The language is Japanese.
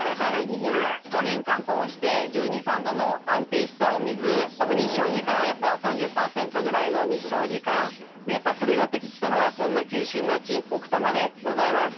年間通して１２１３度の安定したお水あと日照時間はやっぱ３０％ぐらいの日照時間。でやっぱそれが適したのはこんな急峻な地奥多摩でございます。